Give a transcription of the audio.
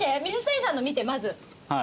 水谷さんの見てまず。